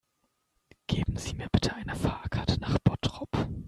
Geben Sie mir bitte die Fahrkarte nach Bottrop